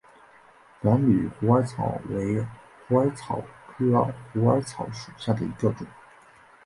繁缕虎耳草为虎耳草科虎耳草属下的一个种。